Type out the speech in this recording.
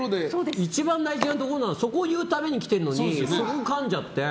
一番大事なところそこを言うために来てるのにかんじゃって。